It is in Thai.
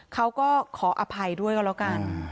เขาก็ขออภัยด้วยก็แล้วกัน